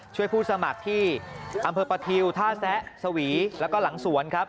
ผู้สมัครที่อำเภอประทิวท่าแซะสวีแล้วก็หลังสวนครับ